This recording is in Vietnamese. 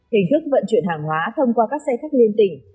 hình thức vận chuyển hàng hóa thông qua các xe khách liên tỉnh